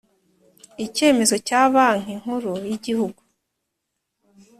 Icyemezo cya Banki nkuru y’Igihugu